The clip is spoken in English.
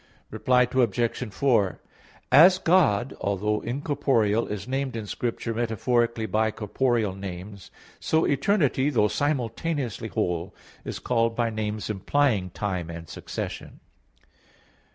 Reply Obj. 4: As God, although incorporeal, is named in Scripture metaphorically by corporeal names, so eternity though simultaneously whole, is called by names implying time and succession.